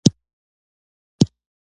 زموږ بدن هم په ورته ډول کار کوي